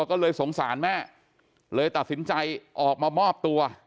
ก็เลยสงสารแม่เลยตัดสินใจออกมามอบตัว